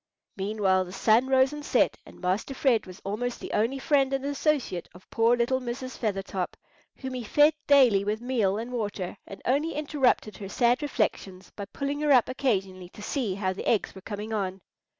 Meanwhile the sun rose and set, and Master Fred was almost the only friend and associate of poor little Mrs. Feathertop, whom he fed daily with meal and water, and only interrupted her sad reflections by pulling her up occasionally to see how the eggs were coming on.